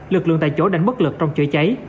lực lượng tại chỗ đánh bất lực trong chữa cháy